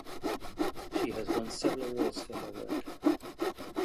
She has won several awards for her work.